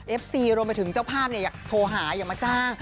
ซีรวมไปถึงเจ้าภาพอยากโทรหาอยากมาจ้าง